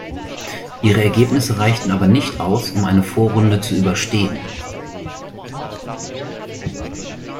Ihre Ergebnisse reichten aber nicht aus, um eine Vorrunde zu überstehen.